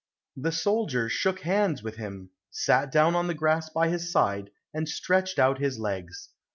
The soldier shook hands with him, sat down on the grass by his side, and stretched out his legs.